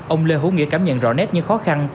ông lê hữu nghĩa cảm nhận rõ nét những khó khăn